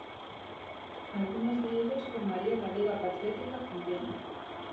Algunos de ellos formarían la Liga Patriótica Argentina.